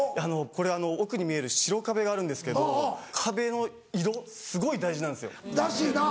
これ奥に見える白壁があるんですけど壁の色すごい大事なんですよ。らしいな。